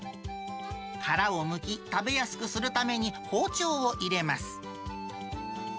殻をむき、食べやすくするために包丁を入れます。